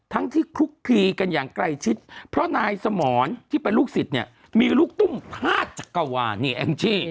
ทั้งที่คลุกคลีกันอย่างใกล้ชิดเพราะนายสมรที่เป็นลูกศิษย์เนี่ยมีลูกตุ้มพาดจักรวาลนี่แองจี้